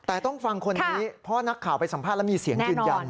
แต่ต้องฟังคนนี้เพราะนักข่าวไปสัมภาษณ์แล้วมีเสียงยืนยัน